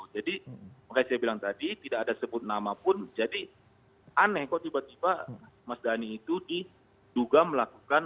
jadi seperti saya bilang tadi tidak ada disebut nama pun jadi aneh kok tiba tiba mas dhani itu diduga melakukan